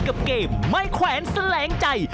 กับเกมไม่แขวนแสลงใจ